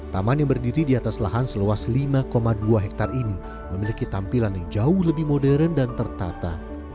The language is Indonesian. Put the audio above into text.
taman yang berdiri di atas lahan seluas lima dua hektare ini memiliki tampilan yang jauh lebih modern dan tertata